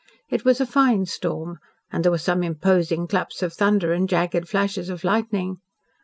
It was a fine storm, and there were some imposing claps of thunder and jagged flashes of lightning.